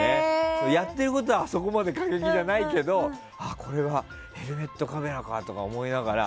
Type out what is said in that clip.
やっていることはあそこまで過激じゃないけどもこれはヘルメットカメラかとか思いながら。